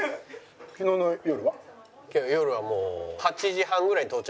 昨日の夜はもう。